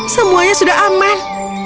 semuanya sudah aman